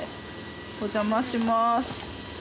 お邪魔します。